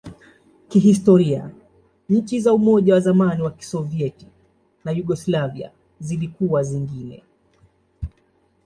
Kihistoria, nchi za Umoja wa zamani wa Kisovyeti na Yugoslavia zilikuwa zingine.